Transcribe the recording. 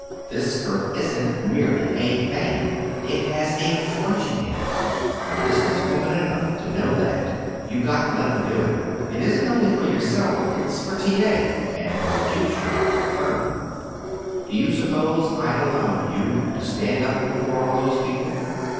This skirt isn't merely a fad. It has a fortune in it. I'm business woman enough to know that. You've got to let me do it. It isn't only for yourself. It's for T. A. and for the future of the firm." "Do you suppose I'd allow you to stand up before all those people?"